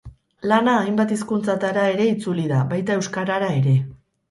Lana hainbat hizkuntzatara ere itzuli da, baita euskarara ere.